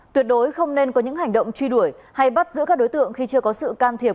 tuyệt đối không nên có những hành động truy đuổi hay bắt giữ các đối tượng khi chưa có sự can thiệp